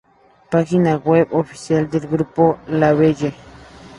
Página web oficial del grupo LaBelle